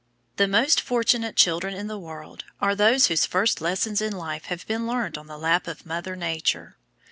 The most fortunate children in the world are those whose first lessons in life have been learned on the lap of Mother Nature.